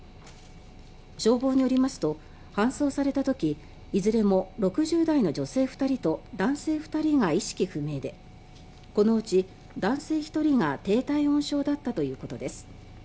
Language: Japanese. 消防によりますと搬送された時いずれも６０代の女性２人と男性２人が意識不明でこのうち男性１人が低体温症だったということです。